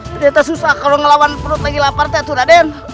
ternyata susah kalau melawan penuh lagi lapar raden